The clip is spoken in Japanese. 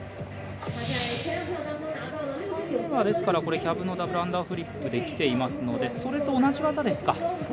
１回目がキャブのダブルアンダーフリップできていますのでそれと同じ技ですか。